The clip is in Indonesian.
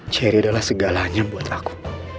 cherry adalah segalanya buat aku